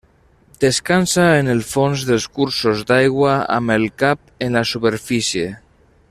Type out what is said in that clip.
Descansa en el fons dels cursos d'aigua amb el cap en la superfície.